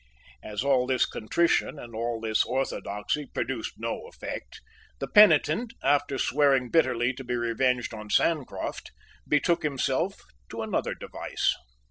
As all this contrition and all this orthodoxy produced no effect, the penitent, after swearing bitterly to be revenged on Sancroft, betook himself to another device.